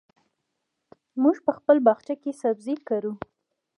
موږ په خپل باغچه کې سبزي کرو.